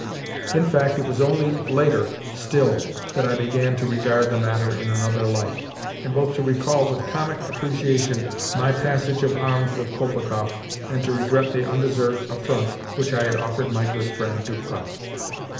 In fact, it was only later still that I began to regard the matter in another light, and both to recall with comic appreciation my passage of arms with Kolpikoff, and to regret the undeserved affront which I had offered my good friend Dubkoff.